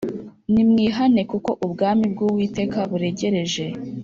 ‘‘Nimwihane ; kuko ubwami bw’Uwiteka buregereje.